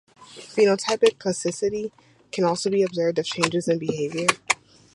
Phenotypic plasticity can also be observed as changes in behaviour.